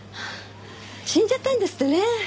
死んじゃったんですってね。